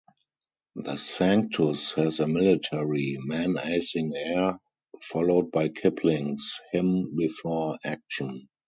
The Sanctus has a military, menacing air, followed by Kipling's "Hymn Before Action".